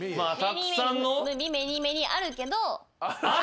メニーメニーあるけど。